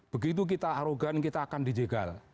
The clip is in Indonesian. begitu kita arogan kita akan dijegal